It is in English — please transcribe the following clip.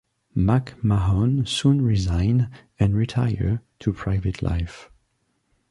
MacMahon soon resigned and retired to private life.